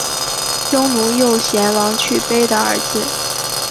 匈奴右贤王去卑的儿子。